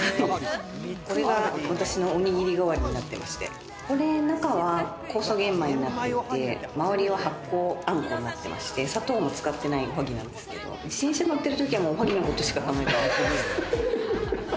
これが私のおにぎり代わりになってまして、中は酵素玄米になってて、周りは発酵餡子になってまして、砂糖も使ってないおはぎなんですけれども、自転車乗ってるときはずっと、おはぎのことしか考えてない。